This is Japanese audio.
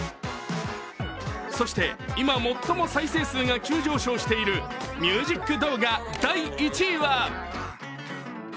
そして、今最も再生数が急上昇しているミュージック動画第１位は？